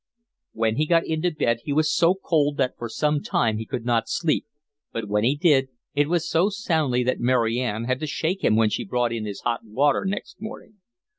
When he got into bed he was so cold that for some time he could not sleep, but when he did, it was so soundly that Mary Ann had to shake him when she brought in his hot water next morning.